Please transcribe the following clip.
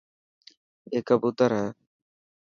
اي ڪبوتر هي.